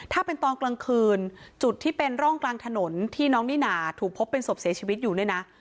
ถ้าเป็นตอนกลางคืนจุดที่เป็นร่องกลางถนนที่น้องนิน่าถูกพบเป็นศพเสียชีวิตอยู่เนี่ยนะ